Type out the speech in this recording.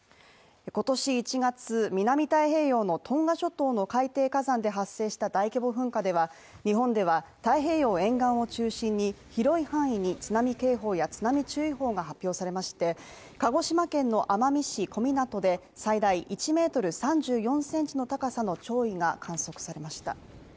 今年１月、南太平洋のトンガ諸島の海底火山で発生した大規模噴火では日本では太平洋沿岸を中心に広い範囲に津波警報や、津波注意報が発表されまして鹿児島県の奄美市小湊で最大１ｍ３４ｃｍの高さの潮位が観測されました。